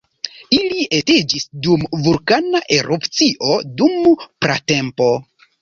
Ili estiĝis dum vulkana erupcio dum pratempo.